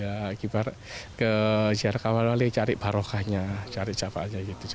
ya kibar ke ziarah kawal wali cari barokahnya cari capa aja gitu